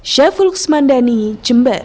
syafiq smanjari jember